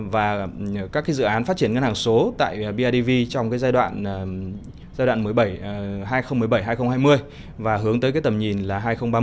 và các dự án phát triển ngân hàng số tại bidv trong giai đoạn hai nghìn một mươi bảy hai nghìn hai mươi và hướng tới cái tầm nhìn là hai nghìn ba mươi